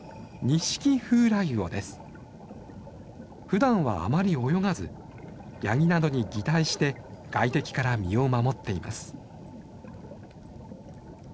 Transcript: ふだんはあまり泳がずヤギなどに擬態して外敵から身を守っています。